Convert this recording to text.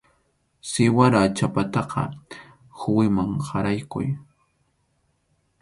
Siwara chhapataqa quwiman qaraykuy.